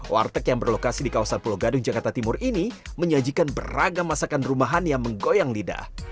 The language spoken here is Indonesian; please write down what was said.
warteg yang berlokasi di kawasan pulau gadung jakarta timur ini menyajikan beragam masakan rumahan yang menggoyang lidah